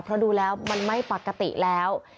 เพราะดูแล้วมันไม่ปกติแล้ว